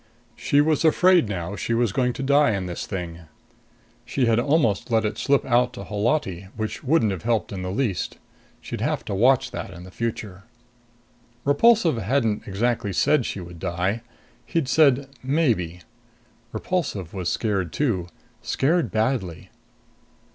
She was afraid now she was going to die in this thing. She had almost let it slip out to Holati, which wouldn't have helped in the least. She'd have to watch that in future. Repulsive hadn't exactly said she would die. He'd said, "Maybe." Repulsive was scared too. Scared badly.